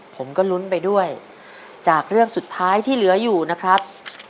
ผมก็ลุ้นไปด้วยจากเรื่องสุดท้ายที่เหลืออยู่นะครับ